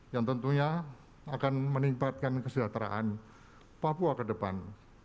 yang tentunya akan meningkatkan kesejahteraan papua ke depan